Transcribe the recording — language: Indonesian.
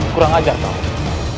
kurang aja tau